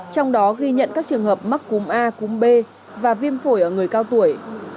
trong đó ghi nhận các trường hợp mắc cúm a cúng b và viêm phổi ở người cao tuổi